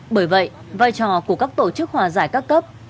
bởi vậy vai trò của các tổ chức hòa giải các cấp